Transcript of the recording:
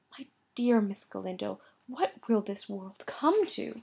My dear Miss Galindo, what will this world come to?"